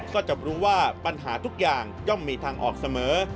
ก็จะรู้ว่าปัญหาทุกอย่างย่อมมีทางออกเสมอ